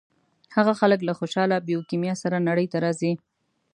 هغه خلک له خوشاله بیوکیمیا سره نړۍ ته راځي.